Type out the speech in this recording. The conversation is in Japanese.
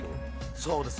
そうですよ。